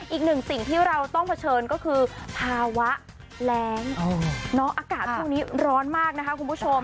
อีกหนึ่งสิ่งที่เราต้องเผชิญก็คือภาวะแรงอากาศช่วงนี้ร้อนมากนะคะคุณผู้ชม